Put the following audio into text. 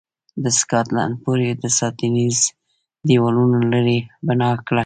د سکاټلند پورې د ساتنیزو دېوالونو لړۍ بنا کړه.